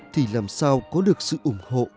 thì làm sao có được sự ủng hộ